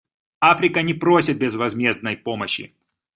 Африка не просит безвозмездной помощи.